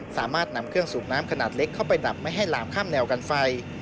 สามารถนำเครื่องสูบน้ำขนาดเล็กเข้าไปดับไม่ให้หลามข้ามแนวกันไฟ